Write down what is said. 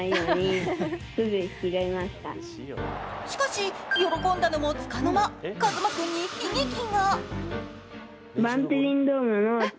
しかし、喜んだのもつかの間、和真君に悲劇が。